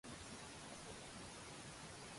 老少平安